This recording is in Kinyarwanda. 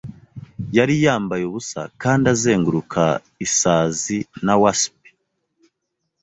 Yari yambaye ubusa kandi azenguruka isazi na wasp